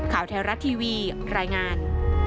ข่าวไทยรัฐทีวีรายงาน